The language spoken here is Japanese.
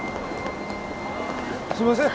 すいません。